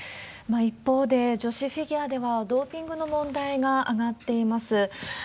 一方で、女子フィギュアでは、ドーピングの問題が上がっています。